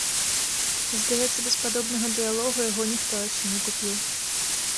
Здаецца, без падобнага дыялогу яго ніхто яшчэ не купіў.